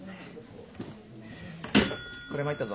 こりゃ参ったぞ。